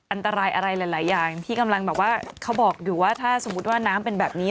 อันตรายอะไรหลายอย่างที่กำลังแบบว่าเขาบอกอยู่ว่าถ้าสมมุติว่าน้ำเป็นแบบนี้